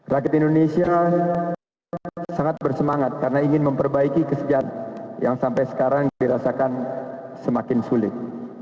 rakyat indonesia sangat bersemangat karena ingin memperbaiki kesejahteraan yang sampai sekarang dirasakan semakin sulit